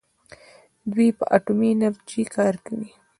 دوی په اټومي انرژۍ کار کوي.